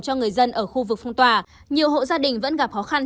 cho người dân ở khu vực phong tỏa nhiều hộ gia đình vẫn gặp khó khăn